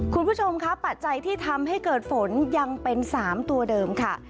คุณผู้ชมคะปัจจัยที่ทำให้เกิดฝนยังเป็น๓ตัวเดิมค่ะ